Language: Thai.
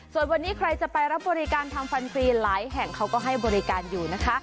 ส่วนวันนี้ใครจะไปรับบริการทำฟันฟรีหลายแห่งเขาก็ให้บริการอยู่นะคะ